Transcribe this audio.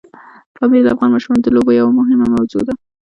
پامیر د افغان ماشومانو د لوبو یوه موضوع ده.